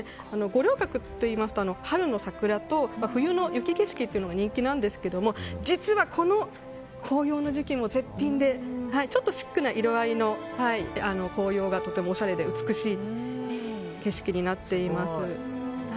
五稜郭といいますと、春の桜と冬の雪景色が人気なんですが実はこの紅葉の時期も絶品でちょっとシックな色合いの紅葉がとてもおしゃれで美しい景色になっています。